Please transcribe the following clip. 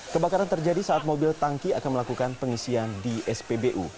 kebakaran terjadi saat mobil tangki akan melakukan pengisian di spbu